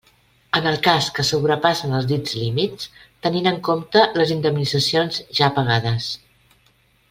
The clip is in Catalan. En el cas que sobrepassen els dits límits, tenint en compte les indemnitzacions ja pagades.